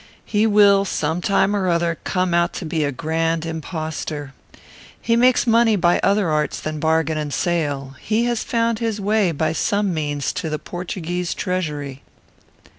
He will, some time or other, come out to be a grand impostor. He makes money by other arts than bargain and sale. He has found his way, by some means, to the Portuguese treasury."